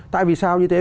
tại vì sao như thế